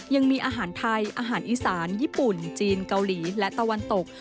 ยังมีอาหารไทยอาหารอีสานญี่ปุ่นจีนเกาหลีและตะวันตก